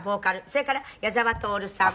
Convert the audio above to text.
それから、矢沢透さん。